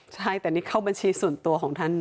ใช่แต่นี่เข้าบัญชีส่วนตัวของท่าน